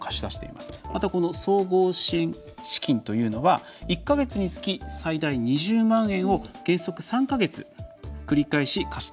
また、総合支援資金というのは１か月につき、最大２０万円を原則３か月繰り返し貸し出しています。